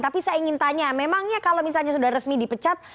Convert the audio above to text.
tapi saya ingin tanya memangnya kalau misalnya sudah resmi dipecat